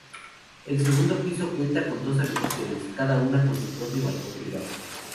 El segundo piso cuenta con dos habitaciones, cada una con su propio balcón privado.